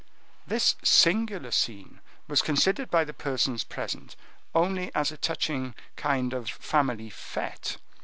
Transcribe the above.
This singular scene was considered by the persons present only as a touching kind of family fete.